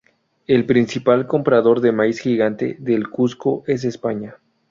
El principal comprador de maíz gigante del Cusco es España.